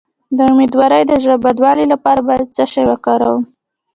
د امیدوارۍ د زړه بدوالي لپاره باید څه شی وکاروم؟